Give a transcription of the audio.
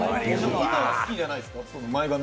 今は好きじゃないですか？